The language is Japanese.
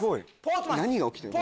何が起きてんの？